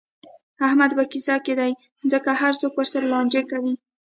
احمد به کسه دی، ځکه هر څوک ورسره لانجې کوي.